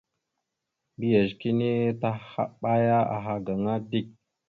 Mbiyez kini tahaɓaya aha gaŋa dik.